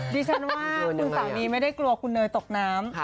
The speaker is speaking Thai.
ดิฉันว่าคุณสามีไม่ได้กลัวคุณเนยตกน้ำ